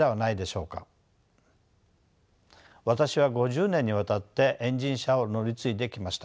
私は５０年にわたってエンジン車を乗り継いできました。